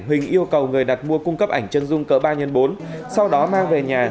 huỳnh yêu cầu người đặt mua cung cấp ảnh chân dung cỡ ba x bốn sau đó mang về nhà